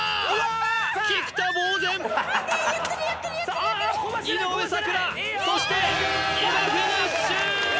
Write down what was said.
菊田ぼう然井上咲楽そして今フィニッシュ！